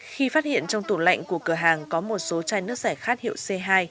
khi phát hiện trong tủ lệnh của cửa hàng có một số chai nước sẻ khát hiệu c hai